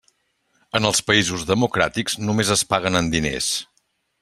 En els països democràtics, només es paguen en diners.